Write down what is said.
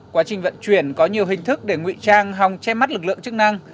quá trình vận chuyển có nhiều hình thức để ngụy trang hòng che mắt lực lượng chức năng